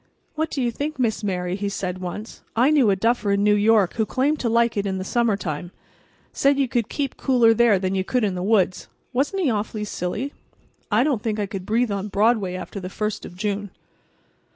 "What do you think, Miss Mary?" he said once. "I knew a duffer in New York who claimed to like it in the summer time. Said you could keep cooler there than you could in the woods. Wasn't he an awful silly? I don't think I could breathe on Broadway after the 1st of June."